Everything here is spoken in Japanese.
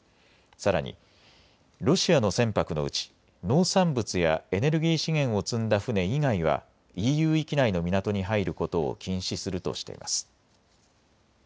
さらに、ロシアの船舶のうち農産物やエネルギー資源を積んだ船以外はＥＵ域内の港に入ることを禁止するとしています。